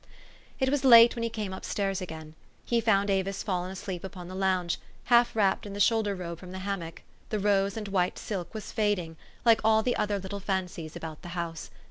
It was late when he came up stairs again. He found Avis fallen asleep upon the lounge, half wrapped in the shoulder robe from the hammock : the rose and white silk was fading, like all the other little fancies about the house.